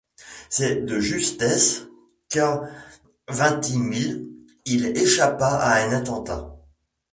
C’est de justesse qu’à Vintimille il échappa à un attentat.